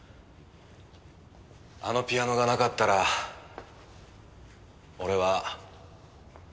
あのピアノがなかったら俺は。